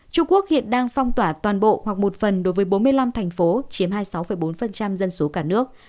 trung quốc hiện đang phong tỏa toàn bộ hoặc một phần đối với bốn mươi năm thành phố chiếm hai mươi sáu bốn dân số cả nước